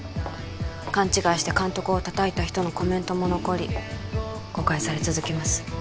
勘違いして監督を叩いた人のコメントも残り誤解され続けます